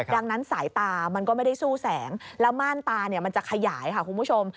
ดังนั้นสายตามันก็ไม่ได้สู้แสงแล้วม่านตามันจะขยายค่ะคุณผู้ชม